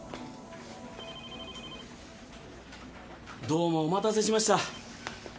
どうもお待たせしました。